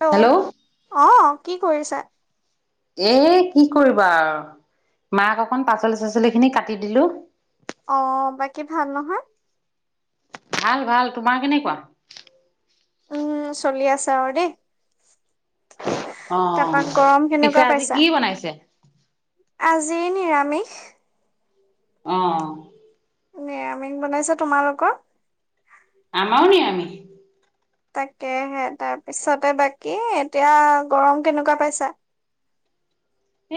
Hello! অ', কি কৰিছা? এ কি কৰিবা আৰু মাক অকন পাচলি, চাচলি খিনি কাটি দিলো। অ', বাকী ভাল নহয়? ভাল, ভাল, তোমাৰ কেনেকুৱা? উম, চলি আছে আৰু দেই। তাৰপা অ' গৰম পিছে কেনেকুৱা আজি কি পাইছা? বনাইছে আজি নিৰামিষ। অ'। নিৰামিষ বনাইছে তোমালোকৰ? আমাৰো নিৰামিষ। তাকেহে, তাৰপিছতে বাকী এতিয়া কেনেকুৱা পাইছা?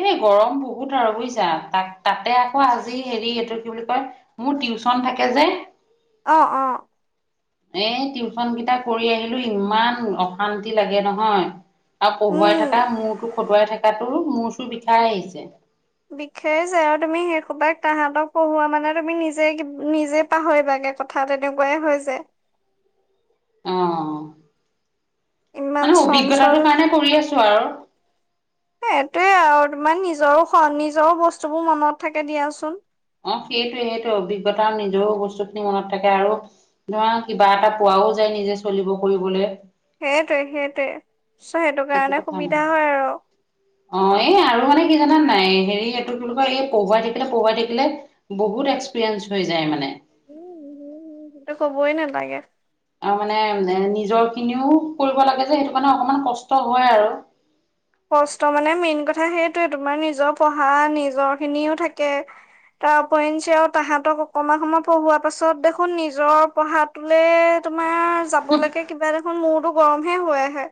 এই গৰম বহুত আৰু বুইছা, তাক তাতে আকৌ আজি হেৰি, এইটো কি বুলি কয় মোৰ টিউচন থাকে যে, অ', অ'। এ টিউচন কেইটা কৰি আহিলো, ইমান অশান্তি লাগে নহয়। আৰু পঢ়ুৱাই উম থকা, মূৰটো খটোৱাই থকাটোও, মোৰ চোৰ বিষাই আহিছে। বিখাই যায় আৰু তুমি সেইসোপাক তাহাঁতক পঢ়ুৱা মানে তুমি নিজে কিবা, পাহৰি বাগে কথা তেনেকুৱাই হৈ যায়। অ' ইমান মানে চঞ্চল অভিজ্ঞতাটোৰ কাৰণে কৰি আছো আৰু। এইটোৱে আৰু তোমাৰ নিজৰো নিজৰো বস্তুবোৰ মনত থাকে দিয়াচোন। অ' সেইটোয়ে সেইটো অভিজ্ঞতা নিজৰ বস্তুখিনি মনত থাকে আৰু ধৰা কিবা এটা পোৱাও যায় নিজে চলিব কৰিবলৈ। সেইটোৱে সেইটোৱে চ'সেইটো সেইটো কাৰণে কথা মানে সুবিধা হয় আৰু অ ' এই আৰু মানে কি জানা নাই হেৰি এইটো তো এই পহুৱাই থাকিলে পহুৱাই থাকিলে। বহুত এক্সপিৰিয়েঞ্চ হৈ যায় মানে। উম- হম সেইটো ক'বই নালাগে। আৰু মানে নিজৰ খিনিও কৰিব লাগে যে, সেইটো কাৰণে অকমান কষ্ট হয় আৰু। কষ্ট মানে মেইন কথা সেইটোৱে, তোমাৰ নিজৰ পঢ়া নিজৰ খিনিও থাকে। তাৰ ওপৰিঞ্চি আৰু তাহতক অকমান সময় পঢ়োৱা পাছত দেখোন নিজৰ পঢ়াত তোলে তোমাৰ যাবলৈকে কিবা দেখোন মূৰটো গৰম হে হৈ আহে।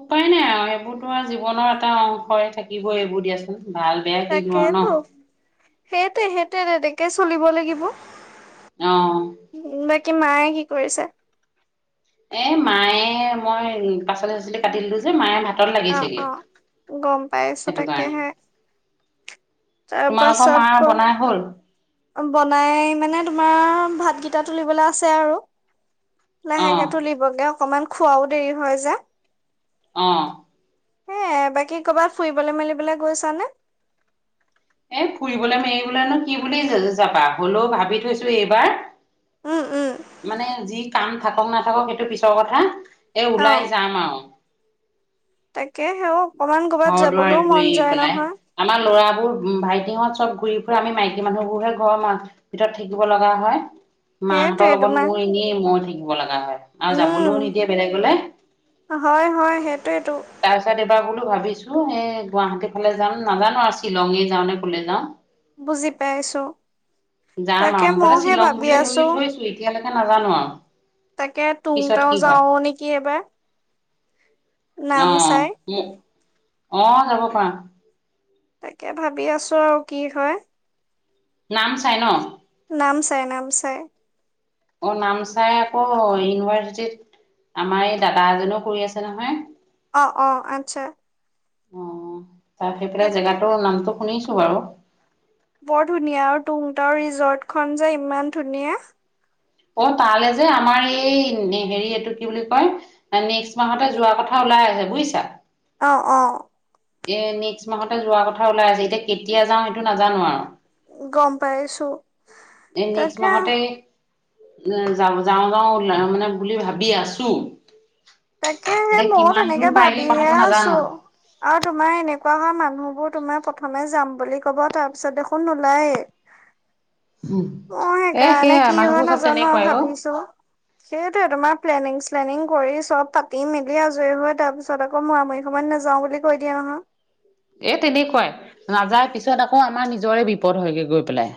উপায় নাই আৰু সেইবোৰতো আৰু জীৱনৰ এটা অংশ থাকিবই, এইবোৰ দিয়াচোন ভাল। বেয়া কিনো আৰু তাকেইে ন তো সেই টো তেনেকে চলিব লাগিব। অহ। বাকী মায়ে কি কৰিছে? এ মায়ে মই পাচলি- চাচলি কাটি দিলো যে, মায়ে ভাত তাত অ লাগিছেগে অ গম পাইছো সেইটো কাৰণে। তাকেহে তাৰ তোমালোকৰ পাছত মাৰ ক বনাই হ'ল? বনাই মানে তোমাৰ ভাতকিটা তুলিবলৈ আছে আৰু। অ লাহেকে তুলিবগে অকমান খোৱাও দেৰি হয় যে। অ। এ বাকী কৰ'বাত ফুৰিবলৈ মেলিবলৈ গৈছানে? এ ফুৰিবলৈ মেৰিবলৈনো কি বুলি যাবা, হ'লেও ভাবি থৈছো এইবাৰ। উম- উম। মানে যি কাম থাকক- নাথাকক সেইটো পিছৰ কথা এ অ ওলাই যাম আৰু। তাকে হেও অকমান ক'ৰবাত ঘৰ দুৱাৰ যাবলৈও ঘূৰি মন যায় পেলাই নহয়। আমাৰ ল'ৰাবোৰ ভাইটিহঁত চব ঘূৰি- ফুৰা আমি মাইকী মানুহবোৰ হে ঘৰ ম ভিতৰত থাকিব লগা হয়। মাহঁতৰ সেইটোৱে লগত তোমাৰ মোৰ এনেই মই থাকিব লগা হয়। আৰু যাবলৈও উম নিদিয়ে বেলেগলে। হয় হয় সেইটোয়েতো তাৰ পিছত এইবাৰ বোলো ভাবিছো, এই গুৱাহাটী ফালে যাম, নাজানো আৰু শ্বিলঙে যাওঁ নে কলে যাওঁ। বুজি পাইছো। যাম তাকে আৰু। ময়ো মুঠতে সেই শ্বিলং ভাবি বুলিয়ে আছো ধৰি থৈছোঁ, এতিয়ালৈকে নাজানো আৰু। তাকে তুঙ- পিছত তাও কি হয়। যাও নেকি এবাৰ। নাম চাই অ- অ, যাব পাৰা। তাকে ভাবি আছো আৰু কি হয়। নাম চাই ন? নামচাই- নামচাই। অ, নামচাই আকৌ ইউনিভাৰ্চিটিৰ আমাৰ এই দাদা এজনও পঢ়ি আছে নহয়। অ- অ আতচছা। তাৰ সেই ফালে তাকে জেগাটোৰ নামটো শুনিছোঁ বাৰু। বৰ ধুনীয়া আৰু তুং- তাও ৰিজৰ্টখন যে ইমান ধুনীয়া। অ, তালৈ যে আমাৰ এই হেৰি এইটো কি বুলি কয় মানে নেক্সট মাহতে যোৱা কথা ওলাই আছে বুজিছা। অ- অ। এ নেক্সট মাহতে যোৱাৰ কথা ওলাই আছে। এতিয়া কেতিয়া যাওঁ সেইটো নাজানো আৰু। গ'ম পাইছো। এই, নেক্সট তাকে মাহতে যা- যাওঁ- যাওঁ উলাম মানে বুলি ভাবি আছো। তাকে হে এতিয়া মইও কিমান দূৰ তেনেকে পায়গে ভাবিহে কথাটো আছো। নাজানো আৰু তোমাৰ এনেকুৱা হোৱা মানুহবোৰ তোমাৰ প্ৰথমে যাম বুলি কব, তাৰ পিছত দেখোন নোলায়ে। [inaudible] এ অ'সেইকাৰণে সেয়া কি হয় মানুহবোৰ চব নাজানো আৰু তেনেকুৱাই অ ভাবিছো। সেইটোৱে তোমাৰ প্লেনিং শ্লেনিং কৰি চব পাতি মেলি আজৰি হৈ তাৰ পিছত আকৌ মুৰা- মাৰি সময়ত নাযাওঁ বুলি কৈ দিয়ে নহয়। এ তেনেকুৱাই নাযায় পিছত আকৌ আমাৰ নিজৰে বিপদ হয়গৈ গৈ পেলাই।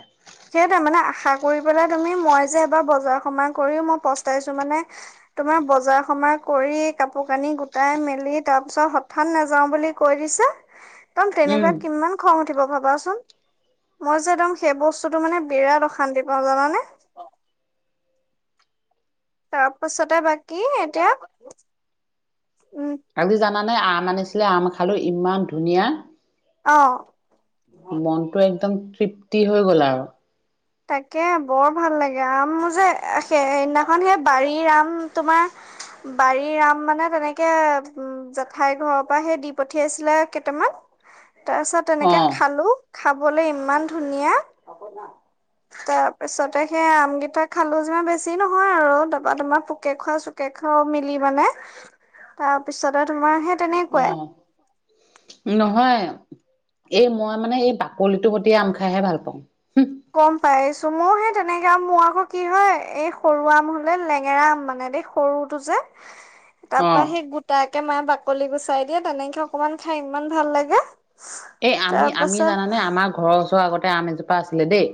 সেইটোৱে মানে আশা কৰি পেলাই তুমি ম'ই যে এবাৰ বজাৰ- সমাৰ কৰি মই পস্তাইছো মানে তোমাৰ বজাৰ- সমাৰ কৰি কাপোৰ- কানি গোটাই মেলি তাৰ পিছত হঠাৎ নাযাও বুলি কৈ দিছে একদম উম তেনেকুৱা কিমান খং উঠিব ভাবাচোন মই যে এদম সেই বচ বস্তুটো মানে বিৰাট অশান্তি পাওঁ জানানে? তাৰপাছতে বাকী এতিয়া উম, আজি জানা নে আম আনিছিলে আম খালোঁ ইমান ধুনীয়া। অ', মনটো একদম তৃপ্তি হৈ গ'ল আৰু। তাকে, বৰ ভাল লাগে আম যে সেইদিনাখন সেই বাৰীৰ আম তোমাৰ বাৰীৰ আম মানে তেনেকে উম জেঠাইৰ ঘৰৰ পৰা সেই দি পঠিয়াইছিলে কেইটামান তাৰ পিছত অ তেনেকে খালোঁ খাবলে ইমান ধুনীয়া। তাৰ পিছতে সেই আমগেইটা খালো যিমান বেছি নহয় আৰু তাপা তোমাৰ পোকে খোৱা চ চুকে খোৱা মিলি মানে তাৰপিছতে তোমাৰ সেই তেনেকুৱাই অ', নহয় এই মই মানে এই বাকলিটোৰ সতি আম খাইহে ভাল পাওঁ। গ'ম পাইছো মইও সেই তেনেকা মোৰ আকৌ কি হয় এই সৰু আম হ'লে লেঙেৰা আম মানে দেই সৰুটো যে অ তাপা সেই গোটাকে মায়ে বাকলি গুচাই দিয়ে তেনেকে অকনমান খাই ইমান ভাল লাগে। এই তাৰ আমি-আমি পাছত জানানে আমাৰ ঘৰৰ ওচৰৰ আগতে আম এজোপা আছিলে দেই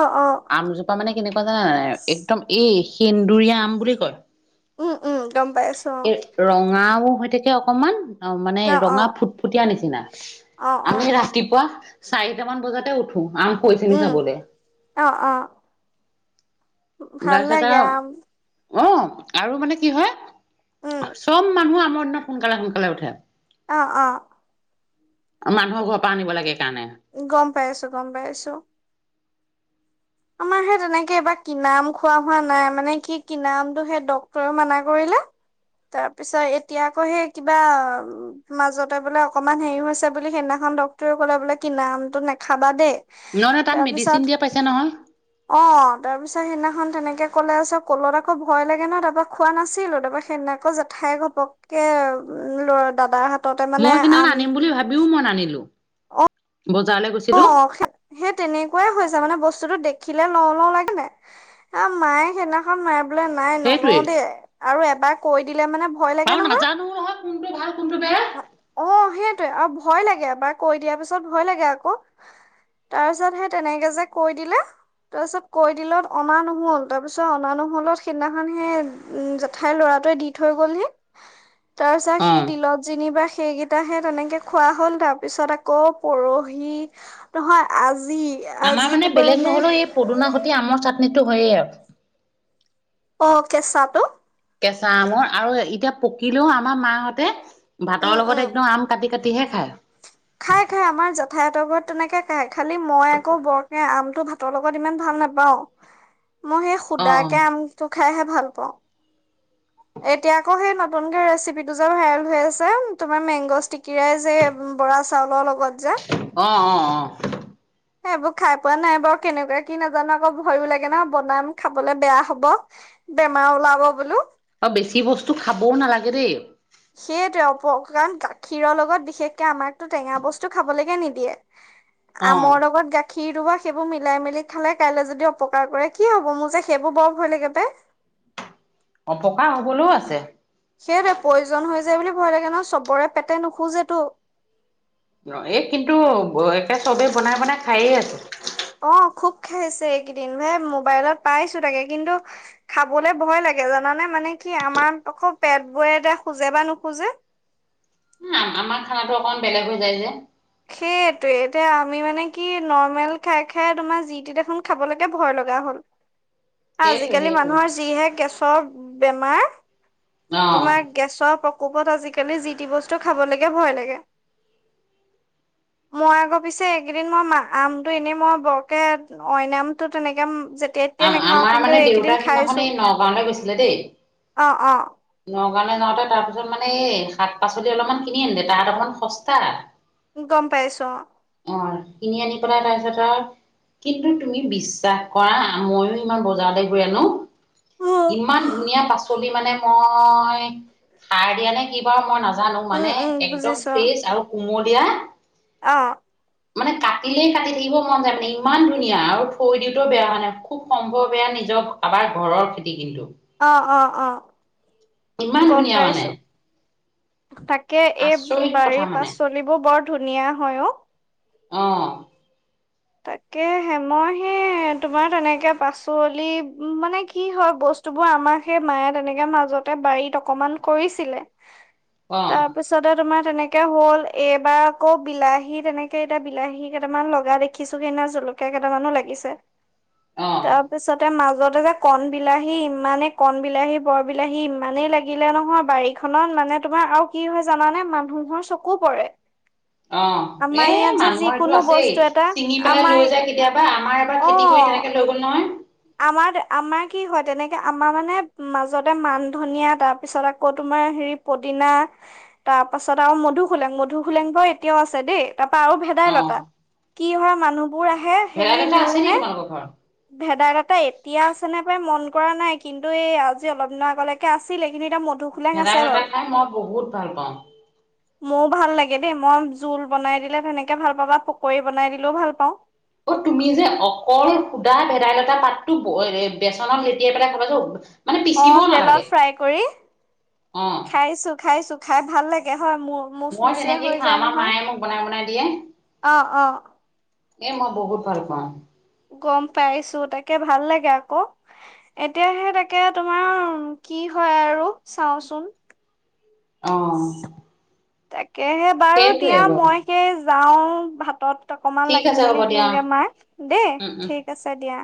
অ'অ' আমজোপা মানে কেনেকুৱা জানা নাই একদম এই সেন্দুৰীয়া আম বুলি কয়। উম, উম গম পাই আছো অ'। এই ৰঙাও হৈ থাকে অকনমান অ, মানে ৰঙা ফুটফুটীয়া নিচিনা অ অ অ আমি ৰা ৰাতিপুৱা চাৰিটামান বজাতে উঠো আম পৰিছে নেকি উম চাবলে? অ' অ' ভাল দাৰপছত লাগে আও আম অ'আৰু মানে কি হয় উম চব মানুহ আমৰ দিনত সোনকালে, সোনকালে উঠে। অ' অ' মানুহ ঘৰৰ পৰা আনিব লাগে সেইকাৰণে। গ'ম পাই আছো, গম পাই আছো। আমাৰ সেই তেনেকে এইবাৰ কিনা আম খুৱা হোৱা নাই মানে কি কিনা আমটো সেই ডক্তৰে মানা কৰিলে। তাৰ পিছত এতিয়া আকৌ সেই কিবা মাজতে বোলে অকমান হেৰি হৈছে বুলি সেইদিনাখন ডক্তৰে ক'লে বোলে কিনাআমটো নাখাবা দেই। নয়, নয় তাত মেডিচিন দিয়া পাইছে নহয়। অ'তাৰ পিছত সিদিনাখন তেনেকে ক'লে আছ কলত আকৌ ভয় লাগে নহয় তাপা খোৱা নাছিলো তাৰপা সেইদিনা আকৌ জা ঠাই ঘপককে উম, ল'ৰা দাদা হাত মই সেইদিনাখন আনিম বুলি ভাবিও মই নানিলো। অঁ বজাৰলে গৈছিলোঁ। [unintelligible] সে তেনেকুৱাই হৈছে মানে বস্তুতটো দেখিলে লওঁ লওঁ লাগে নাই। আ, মায়ে সেইদিনাখন মাই বোলে নাই ন'লও সেইটোৱেই। দেই আৰু এবাৰ কৈ দিলে মানে ভয় লাগে আৰু নাজানো নহয় কোনটো ভাল কোনটো বেয়া। অঁ সেইটোৱে, আৰু ভয় লাগে এবাৰ কৈ দিয়াৰ পিছত ভয় লাগে আকৌ। তাৰপিছত সে তেনেকে যে কৈ দিলে। তাৰপিছত কৈ দিলত অনা নহ'ল, তাৰপিছত অনা নহ'লত সিদিনাখন হে উম, জেঠাইৰ ল'ৰাটোৱে দি থৈ গ'লহি [unintelligible] তাৰপাছত সি অ। দিলত যেনিবা সেইকেইটা হে তেনেকে খোৱা হ'ল তাৰপিছত আকৌ পৰহি নহয় আজি আমাৰ আজি মানে তোমাৰ বেলেগ সেই নহ'লেও এই পদুনা সৈটি আমৰ চাটনিটো হয়ে আও অঁ, কেঁচাটো। কেঁচা আমৰ আৰু এতিয়া পকিলেও আমাৰ মাহঁতে উম ভাতৰ উম লগত একদম আম কাটি কাটিহে খায়। খাই খাই আমাৰ জেঠাই হঁতৰ ঘৰত তেনেকে খাই খালি মই আকৌ বৰকে আমটো ভাতৰ লগত ইমান ভাল নাপাওঁ। [inaudible] মই সেই অ শুদাকে আমটো খাইহে ভাল পাওঁ। এতিয়া আকৌ সেই নতুনকে ৰেচিপিটো যে ভাইৰেল হৈ আছে তুমাৰ মেংগ স্তিকিৰে যে উম, বৰা চাউলৰ লগত যে অঁ অঁ, অঁ। এইবোৰ খাই পোৱা নাই বাও, কেনেকুৱা কি নাজানো আকৌ ভয়ো লাগে ন' বনাম খাবলে বেয়া হ'ব। বেমাৰ ওলাব বোলো। অ', বেছি বস্তু খাবও নালাগে দেই। সেইয়টোৱে অপ কাৰণ গাখীৰ লগত বিশেষকে আমাকতো টেঙা বস্তু খাবলেকে নিদিয়ে। [inaudible] আমৰ লগত গা খীৰ ৰুবা সেইবোৰ মিলাই মেলি খালে কাইলে যদি অপকাৰ কৰে কি হ'ব? মোৰ যে সেইবোৰ বৰ ভয় লাগে পাই। অপকাৰ হ'বলও আছে। সেইটোৱে পইজন হৈ যায় বুলি ভয় লাগে ন' চবৰে পেটে নুসোজেটো। অ', এ, কিন্তু এ ব একে চ'বেই বনাই বনাই খায়ে আছে। অঁ', খুব খাইছে এই কেইদিন এ, মোবাইলত পাইছোঁ তাকে কিন্তু খাবলে ভয় লাগে জানানে, মানে কি আমাৰ আকৌ পেটবোৰে এতে সোজে বা নোসোজে। আ আমাৰ খানাতো অকমান বেলেগ হৈ যায় যে। সেইটোৱে এতিয়া আমি মানে কি নৰ্মেল খাই খাই তোমাৰ জি টি দেখোন খাবলেকে ভয় লগা হ'ল। [unintelligible] সেইটোৱে আজিকালি সেইটোৱে মানুহৰ যিহে গেছৰ বেমাৰ। অ তোমাক গেছৰ প্ৰকোপত আজিকালি যি টি বস্তু খাব লেকে ভয় লাগে। মই আক' পিছে এইকেইদিন মই মা, আমটো এনে মই বৰকে অইন আমটো তেনেকে উম, যে আ-আমাৰ মানে দেউতা সিদিনা খন এই নগাঁওলে গৈছিলে দেই। অ অ নগাঁৱলে যাওঁতে তাৰপিছত মানে এই শাক পাচলি অলপমান কিনি আনলে, তাত অকণমান সস্তা। গ'ম পাইছো অঁ। অ', কিনি আনি পেলাই তাৰপিছত আও কিন্তু তুমি বিশ্বাস কৰা। আ, মইয়ো ইমান বজাৰলে গৈ আনো। ইমান ধুনীয়া পাচলি মানে মই সাৰ দিয়া নে কি বাৰু মই নাজানো উম মানে উম একদম বুজিছো ফ্ৰেছ আৰু কুমলিয়া অ মানে কাটিলেই কাটি থাকিব মন যায় মানে ইমান ধুনীয়া আৰু থৈ দিলেও বেয়া হোৱা নাই খুব সম্ভৱ সেয়া নিজৰ কাবাৰ ঘৰৰ খেতি কিন্তু অ অ অ ইমান গম ধুনীয়া মানে পাইছো তাকে এই আচৰিত কথা বাৰীৰ মানে পাচলিবোৰ বৰ ধুনীয়া হয় অ অ তাকে হে মই সেই তোমাৰ তেনেকে পাচলি মানে কি হয় বস্ বস্তুবোৰ আমাৰ সেই মায়ে তেনেকে মাজতে বাৰীত অকমান কৰিছিলে [inaudible] তাৰ পিছতে তোমাৰ তেনেকে হ'ল এইবাৰ আকৌ বিলাহী তেনেকে এতিয়া বিলাহী কেইটামান লগা দেখি দেখিছো সেইদিনা জলকীয়া কেইটামানো লাগিছে অ তাৰপিছতে মাজতে যে কণ বিলাহী ইমানে কণ বিলাহী বৰ বিলাহী ইমানেই লাগিলে নহয় বাৰী খনত মানে তোমাৰ আও কি হয় জানানে মানুহৰ চকু পৰে অ আমাৰ এই ইয়াত যে মানুহৰ যিকোনো এইটো আছেই বস্তু এটা চিঙি পেলাই আমাৰ লৈ যায় কেতিয়াবা আমাৰ এবাৰ খেতি কৰি অ' তেনেকে লৈ গ'ল নহয় আমাৰ আমাৰ কি হয় তেনেকে আমাৰ মানে মাজতে মান ধনিয়া তাৰপিছত আকৌ তোমাৰ হেৰি পদিনা তাৰ পাছত আৰু মধুসোলেং মধুসোলেং বাও এতিয়াও আছে দেই তাৰপা আৰু অ', ভেদাইলতা কি হয় মানুহবোৰ আহে হেৰি ভেদাইলতা নিও আছে নি নে তোমালোকৰ ঘৰত? ভেদাইলত তা এতিয়া আছে নে পাই মন কৰা নাই কিন্তু এই আজি অলপ দিনৰ আগলৈকে আছিলে কিন্তু এতিয়া মধু খোলেং আছে ভেদাইলতা বাৰু খাই মই বহুত ভাল পাওঁ মইয়ো ভাল লাগে দেই মই জোল বনাই দিলে তেনেকে ভাল পাওঁ বা পকৰি বনাই দিলেও ভাল পাওঁ অ তুমি যে অকল সুধা ভেদাইলতা পাতটো [unintelligible] বেচনত লেটিয়াই পেলাই খাবা চোন অ তেলত ফ্ৰাই কৰি অ'। খাইছো খাইছো খাই ভাল লাগে হয় মোৰ মই মোচমোচিয়া তেনেকেই হৈ খাওঁ, যায় আমাৰ নহয় মায়ে মোক বনাই বনাই দিয়ে। অ অ এ মই বহুত ভাল পাওঁ গম পাইছো তাকে ভাল লাগে আকৌ এতিয়া সেই তাকে তোমাৰ কি হয় আৰু চাওচোন অ তাকেহে বাৰু সেইটোৱে দিয়া বাৰু। মই সেই যাও ভাতত ত অকমান ঠিক লাগি আছে হ'ব মেলি দিয়া, দিওঁগে মাক দেই উম, উম। ঠিক আছে দিয়া